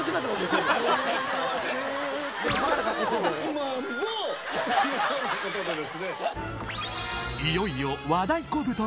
マンボー！ということでですね。